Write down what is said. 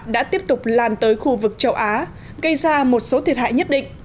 đã tiếp tục lan tới khu vực châu á gây ra một số thiệt hại nhất định